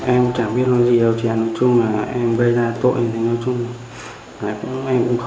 em chẳng biết nói gì đâu chị ạ